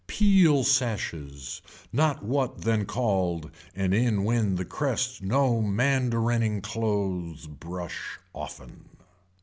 Peel sashes not what then called and in when the crest no mandarining clothes brush often.